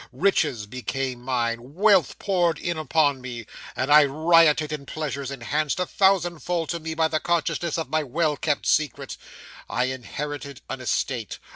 'Riches became mine, wealth poured in upon me, and I rioted in pleasures enhanced a thousandfold to me by the consciousness of my well kept secret. I inherited an estate.